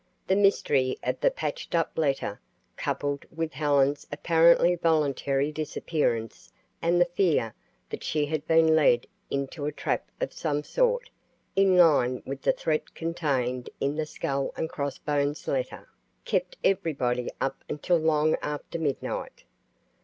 The mystery of the patched up letter, coupled with Helen's apparently voluntary disappearance and the fear that she had been led into a trap of some sort, in line with the threat contained in the skull and cross bones letter, kept everybody up until long after midnight.